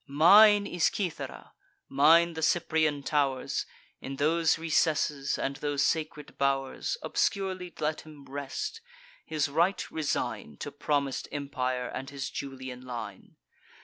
Mine is Cythera, mine the Cyprian tow'rs: In those recesses, and those sacred bow'rs, Obscurely let him rest; his right resign To promis'd empire, and his Julian line.